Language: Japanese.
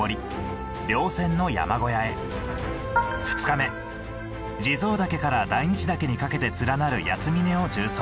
２日目地蔵岳から大日岳にかけて連なる八ツ峰を縦走。